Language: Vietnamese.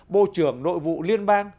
bộ trưởng nội vụ liên bang